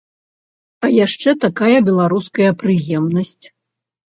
А яшчэ такая беларуская прыемнасць.